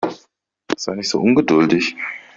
Sei nicht so ungeduldig.